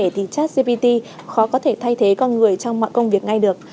vâng như ông vừa chia sẻ thì chất gpt khó có thể thay thế con người trong mọi công việc ngay được